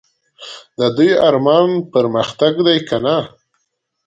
د دوی ارمان پرمختګ دی که نه ؟